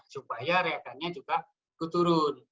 supaya reagennya juga diturun